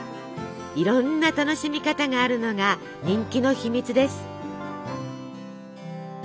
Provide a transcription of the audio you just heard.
いろんな楽しみ方があるのが人気の秘密です。